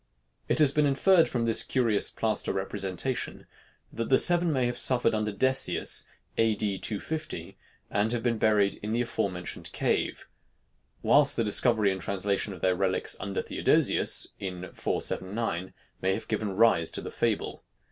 It has been inferred from this curious plaster representation, that the seven may have suffered under Decius, A. D. 250, and have been buried in the afore mentioned cave; whilst the discovery and translation of their relics under Theodosius, in 479, may have given rise to the fable.